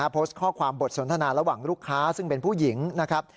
โพสต์ข้อความบทสนทนาระหว่างลูกค้าซึ่งเป็นผู้หญิงนะครับ